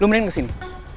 lo mendingan kesini